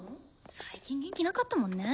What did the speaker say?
最近元気なかったもんね。